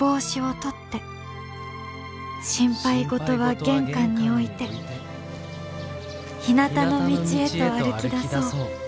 「心配事は玄関に置いてひなたの道へと歩きだそう。